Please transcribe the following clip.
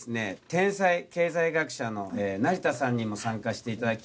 天才経済学者の成田さんにも参加していただきました。